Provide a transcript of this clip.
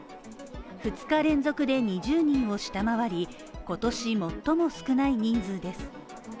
２日連続で２０人を下回り今年最も少ない人数です。